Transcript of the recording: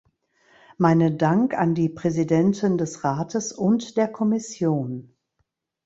Meinen Dank an die Präsidenten des Rates und der Kommission.